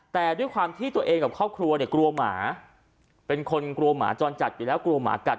แต่ด้วยความที่ตัวเองกับครอบครัวเนี่ยกลัวหมาเป็นคนกลัวหมาจรจัดอยู่แล้วกลัวหมากัด